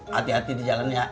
hati hati di jalan ya